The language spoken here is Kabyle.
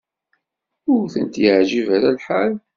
Ur tent-yeɛjib ara lḥal.